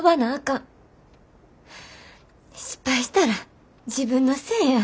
失敗したら自分のせえや。